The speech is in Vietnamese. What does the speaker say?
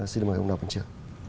xin mời ông đọc bản chứa